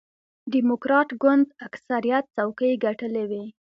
ډیموکراټ ګوند اکثریت څوکۍ ګټلې وې.